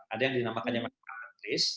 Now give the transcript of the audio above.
ada yang dinamakannya marketplace